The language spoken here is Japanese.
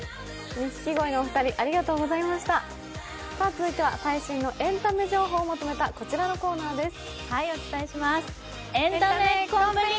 続いては最新のエンタメ情報をまとめたこちらのコーナーです。